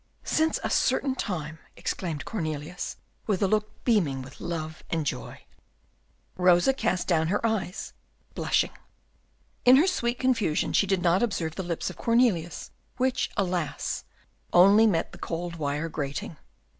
"Since a certain time!" exclaimed Cornelius, with a look beaming with love and joy. Rosa cast down her eyes, blushing. In her sweet confusion, she did not observe the lips of Cornelius, which, alas! only met the cold wire grating.